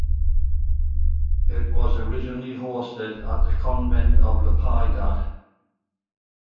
It was originally hosted at the Convent of La Piedad.